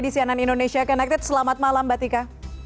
di sianan indonesia connected selamat malam batika